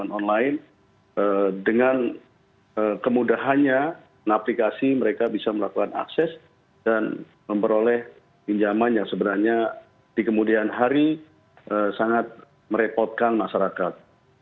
online dengan kemudahannya aplikasi mereka bisa melakukan akses dan memperoleh pinjaman yang sebenarnya di kemudian hari sangat merepotkan masyarakat